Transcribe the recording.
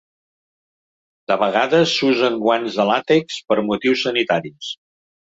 De vegades, s'usen guants de làtex per motius sanitaris.